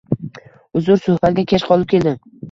- Uzr, suhbatga kech qolib keldim.